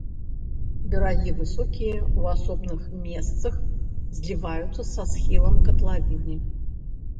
Берагі высокія, у асобных месцах зліваюцца са схіламі катлавіны.